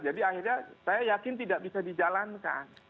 jadi akhirnya saya yakin tidak bisa dijalankan